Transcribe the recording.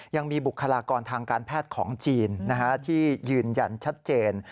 ยังมีบุคลากรทางการแพทย์ของจีนที่ยืนยันชัดเจน